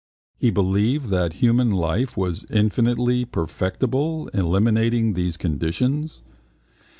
He believed then that human life was infinitely perfectible, eliminating these conditions?